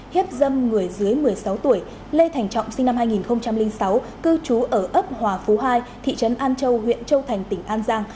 hiếp dâm người dưới một mươi sáu tuổi lê thành trọng sinh năm hai nghìn sáu cư trú ở ấp hòa phú hai thị trấn an châu huyện châu thành tỉnh an giang